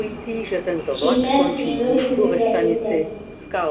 Тиҙҙән Еңеү көнө лә етә.